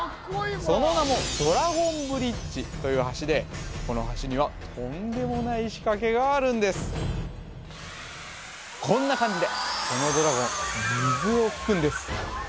その名もドラゴンブリッジという橋でこの橋にはとんでもない仕掛けがあるんですこんな感じでこのドラゴン水を噴くんです